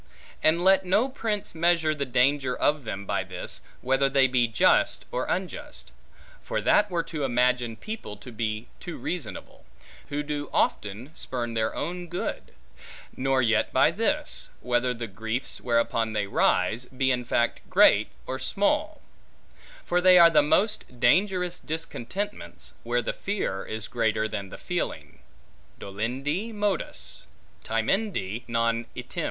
And let no prince measure the danger of them by this, whether they be just or unjust: for that were to imagine people, to be too reasonable; who do often spurn at their own good: nor yet by this, whether the griefs whereupon they rise, be in fact great or small: for they are the most dangerous discontentments, where the fear is greater than the feeling. Dolendi modus, timendi non item.